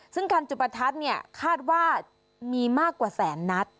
ซึ่งการจุดประทัดเนี่ยคาดว่ามีมากกว่าแสนนัด